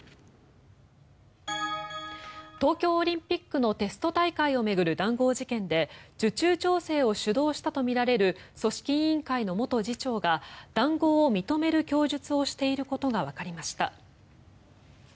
東京オリンピックのテスト大会を巡る談合事件で受注調整を主導したとみられる組織委員会の元次長が談合を認める供述をしていることがわかりました。